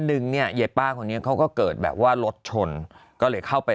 นึงเนี่ยเย้ป้าคนนี้เขาก็เกิดแบบว่ารถชนก็เลยเข้าไป